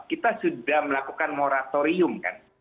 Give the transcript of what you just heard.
kita sudah melakukan moratorium kan